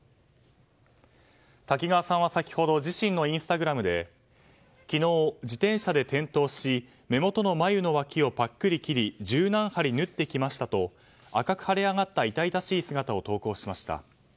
滝川さんは先ほど自身のインスタグラムで昨日自転車で転倒し目元の眉の脇をぱっくり切り十何針縫ってきましたと赤く腫れ上がって痛々しい姿を投稿しました。